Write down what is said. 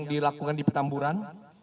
yang dilakukan di petamburan